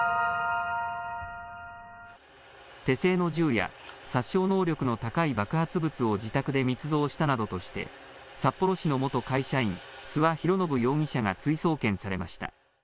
手製の銃や殺傷能力の高い爆発物を自宅で密造したなどとして札幌市の元会社員、諏訪博宣容疑者が追送検されました。